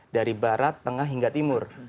dari barat tengah hingga timur